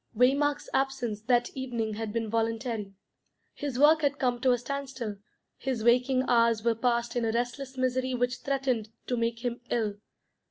Waymark's absence that evening had been voluntary. His work had come to a standstill; his waking hours were passed in a restless misery which threatened to make him ill.